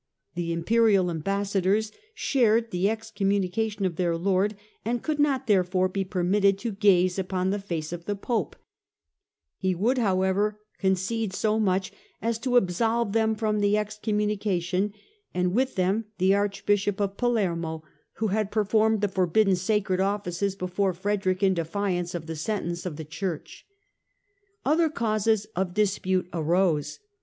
The Imperial ambassadors shared the excommunication of their Lord, and could not therefore be permitted to gaze upon the face of the Pope : he would, however, concede so much as to absolve them from the excommuni cation, and with them the Archbishop of Palermo, who 212 STUPOR MUNDI had performed the forbidden sacred offices before Frederick in defiance of the sentence of the Church. Other causes of dispute arose.